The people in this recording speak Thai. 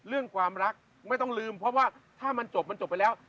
เรื่องความรักไม่ต้องลืมเพราะว่าถ้ามันจบมันจบไปแล้ว